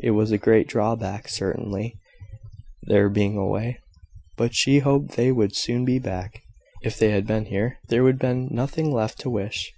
it was a great drawback, certainly, their being away, but she hoped they would soon be back; if they had been here, there would have been nothing left to wish.